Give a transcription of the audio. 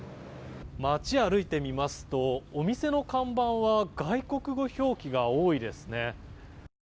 街を歩いてみますとお店の看板は外国語表記が多いですね。